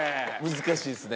難しいですね。